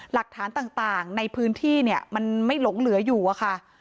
หลักฐานต่างในพื้นที่เนี่ยมันไม่หลงเหลืออยู่อะค่ะ